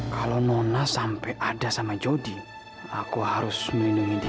kalau nona sampai ada sama jody aku harus melindungi diri